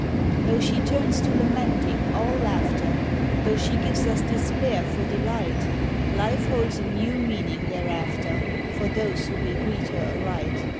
Though she turns to lamenting, all laughter, Though she gives us despair for delight, Life holds a new meaning thereafter, For those who will greet her aright.